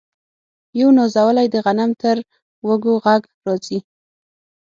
یو نازولی د غنم تر وږو ږغ راځي